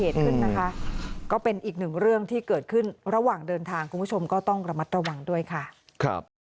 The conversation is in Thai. ที่เกิดขึ้นระหว่างเดินทางคุณผู้ชมก็ต้องระมัดระวังด้วยค่ะ